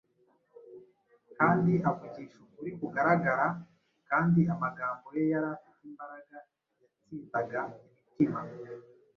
kandi avugisha ukuri kugaragara kandi amagambo ye yari afite imbaraga yatsindaga imitima